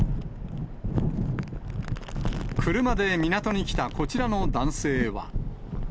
車で港に来たこちらの男性は。